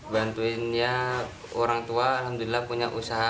bantuin ya orang tua alhamdulillah punya usaha